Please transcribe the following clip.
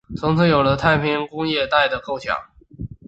从此有了太平洋工业带的构想。